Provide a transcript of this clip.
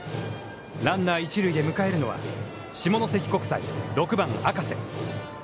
ランナー一塁で迎えるのは、下関国際、６番赤瀬。